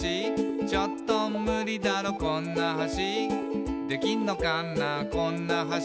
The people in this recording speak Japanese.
「ちょっとムリだろこんな橋」「できんのかなこんな橋」